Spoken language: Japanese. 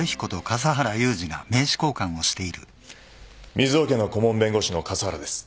水尾家の顧問弁護士の笠原です。